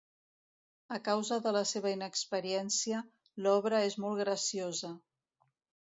A causa de la seva inexperiència, l'obra és molt graciosa.